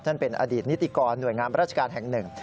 เป็นอดีตนิติกรหน่วยงามราชการแห่งหนึ่ง